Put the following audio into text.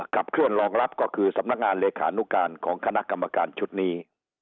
ขับเคลื่อนรองรับก็คือสำนักงานเลขานุการของคณะกรรมการชุดนี้